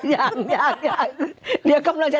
ยังยังยังเดี๋ยวกลัวจะใช้